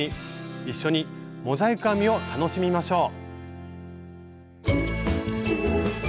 一緒にモザイク編みを楽しみましょう！